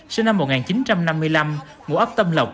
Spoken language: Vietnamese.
sinh năm một nghìn chín trăm năm mươi năm ngũ ấp tâm lộc